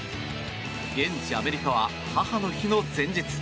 現地アメリカは母の日の前日。